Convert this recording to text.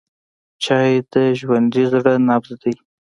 چای د ژوندي زړه نبض دی.